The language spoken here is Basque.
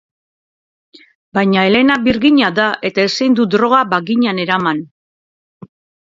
Baina Elena birjina da eta ezin du droga baginan eraman.